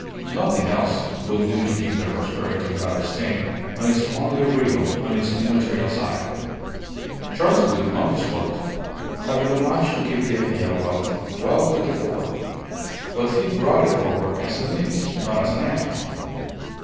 Nothing else would do to keep their prosperity without a stain on its only real, on its immaterial side! Charles Gould, on his part, had been obliged to keep the idea of wealth well to the fore; but he brought it forward as a means, not as an end.